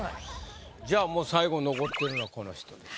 じゃあもう最後に残ってるのはこの人です。